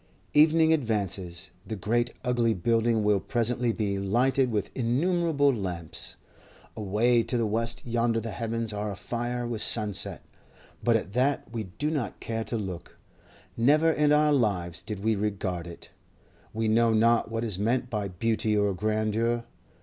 Evening advances; the great ugly building will presently be lighted with innumerable lamps. Away to the west yonder the heavens are afire with sunset, but at that we do not care to look; never in our lives did we regard it. We know not what is meant by beauty or grandeur.